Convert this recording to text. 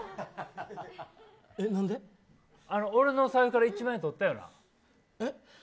俺の財布から１万円とったよな。